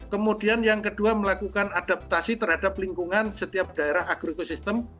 kemudian yang kedua melakukan adaptasi terhadap lingkungan setiap daerah agrokosistem